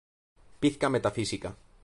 Pizca Metafísica.